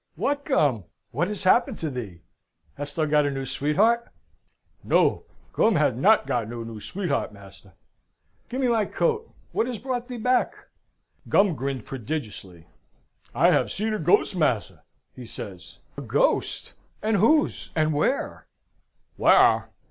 "What, Gum? What has happened to thee? Hast thou got a new sweetheart?" No, Gum had not got no new sweetheart, master. "Give me my coat. What has brought thee back?" Gum grinned prodigiously. "I have seen a ghost, mas'r!" he said. "A ghost! and whose, and where?"